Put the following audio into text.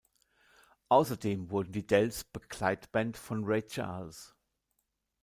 Außerdem wurden die Dells Begleitband von Ray Charles.